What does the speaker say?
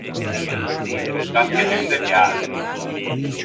Ciaschedun de voiatri.